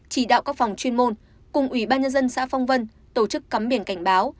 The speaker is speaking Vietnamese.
chỉ đạo các phòng chuyên môn cùng ủy ban nhân dân xã phong vân tổ chức cắm biển cảnh báo